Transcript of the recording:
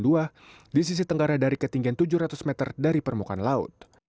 di sisi tenggara dari ketinggian tujuh ratus meter dari permukaan laut